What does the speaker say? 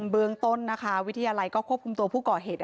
เบื้องต้นนะคะวิทยาลัยก็ควบคุมตัวผู้ก่อเหตุ